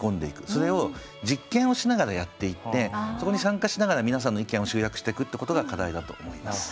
それを実験をしながらやっていってそこに参加しながら皆さんの意見を集約してくってことが課題だと思います。